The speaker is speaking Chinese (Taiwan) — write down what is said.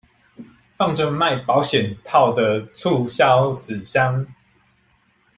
放著賣保險套的促銷紙箱